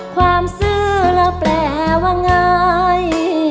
ความซื้อแล้วแปลว่าไง